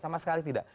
sama sekali tidak